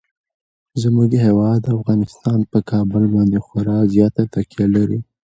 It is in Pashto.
زموږ هیواد افغانستان په کابل باندې خورا زیاته تکیه لري.